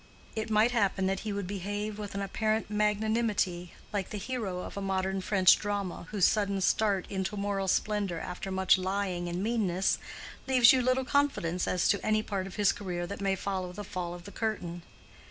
It might happen that he would behave with an apparent magnanimity, like the hero of a modern French drama, whose sudden start into moral splendor after much lying and meanness, leaves you little confidence as to any part of his career that may follow the fall of the curtain.